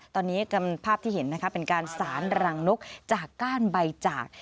ตอนนี้ภาพที่เห็นนะคะเป็นการสารรังนกจากก้านใบจาก